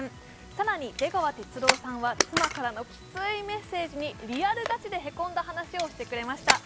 更に、出川哲朗さんは妻からのきついメッセージにリアルガチでへこんだ話をしてくれました。